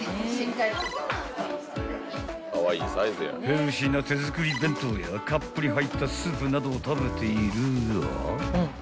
［ヘルシーな手作り弁当やカップに入ったスープなどを食べているが］